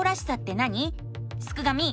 すくがミ！